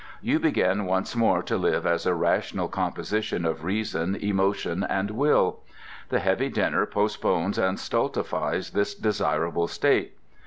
You begin once more to live as a rational composition of reason, emotion, and will. The heavy dinner postpones and stultifies this desirable state.